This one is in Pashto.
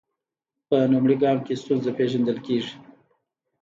په لومړي ګام کې ستونزه پیژندل کیږي.